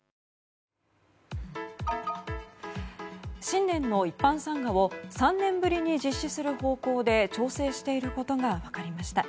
新年の一般参賀を３年ぶりに実施する方向で調整していることが分かりました。